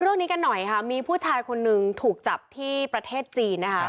เรื่องนี้กันหน่อยค่ะมีผู้ชายคนหนึ่งถูกจับที่ประเทศจีนนะคะ